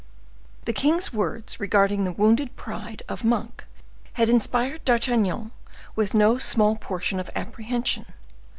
The king's words regarding the wounded pride of Monk had inspired D'Artagnan with no small portion of apprehension.